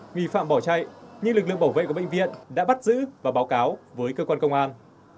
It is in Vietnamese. nghi phạm bỏ chạy nhưng lực lượng bảo vệ của bệnh viện đã bắt giữ và báo cáo với cơ quan công an